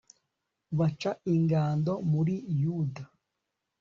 baca ingando muri yuda